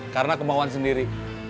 karena kemauan sendiri